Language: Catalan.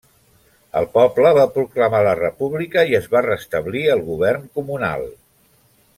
El poble va proclamar la república i es va restablir el govern comunal.